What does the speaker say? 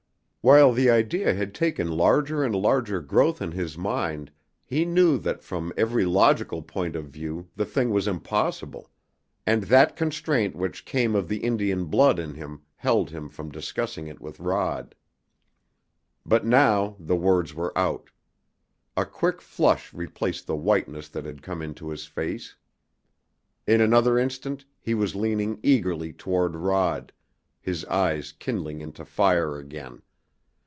While the idea had taken larger and larger growth in his mind he knew that from every logical point of view the thing was impossible, and that constraint which came of the Indian blood in him held him from discussing it with Rod. But now the words were out. A quick flush replaced the whiteness that had come into his face. In another instant he was leaning eagerly toward Rod, his eyes kindling into fire again.